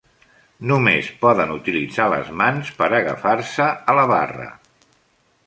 Només poden utilitzar les mans per agafar-se a la barra.